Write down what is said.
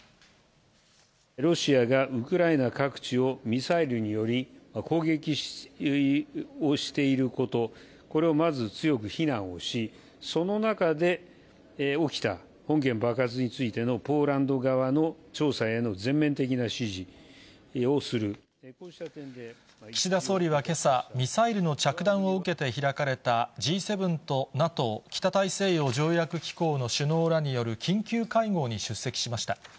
ロシアがウクライナ各地をミサイルにより、攻撃をしていること、これをまず、強く非難をし、その中で起きた本件爆発についてのポーランド側の調査への全面的岸田総理はけさ、ミサイルの着弾を受けて開かれたＧ７とＮＡＴＯ・北大西洋条約機構の首脳らによる緊急会合に出席しました。